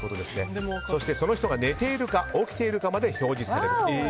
そしてその人が寝ているか起きているかまで表示される。